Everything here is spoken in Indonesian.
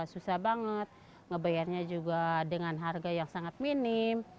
susah banget ngebayarnya juga dengan harga yang sangat minim